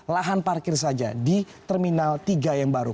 lahan parkir saja di terminal tiga yang baru